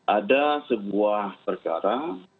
ada sebuah perkara